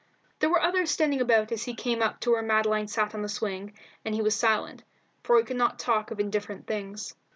There were others standing about as he came up to where Madeline sat in the swing, and he was silent, for he could not talk of indifferent things.